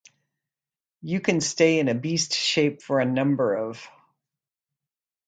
You can stay in a beast shape for a number of